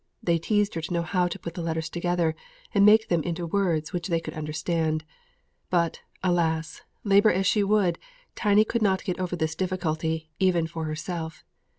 They teased her to know how to put the letters together and make them into words which they could understand. But, alas! labour as she would, Tiny could not get over this difficulty even for herself.